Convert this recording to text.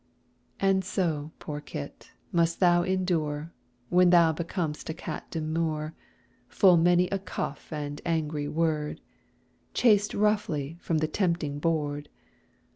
And so, poor kit! must thou endure, When thou becom'st a cat demure, Full many a cuff and angry word, Chased roughly from the tempting board.